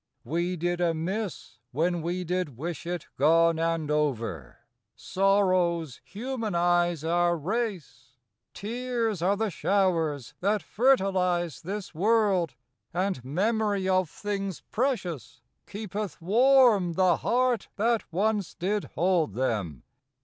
We did amiss when we did wish it gone And over : sorrows humanize our race ; Tears are the showers that fertilize this world: And memory of things precious keepeth warm The heart that once did hold them.